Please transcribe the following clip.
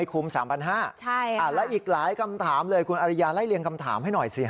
คุม๓๕๐๐บาทแล้วอีกหลายคำถามเลยคุณอริยาไล่เรียงคำถามให้หน่อยสิครับ